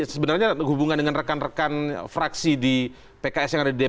sebenarnya hubungan dengan rekan rekan fraksi di pks yang ada di dpr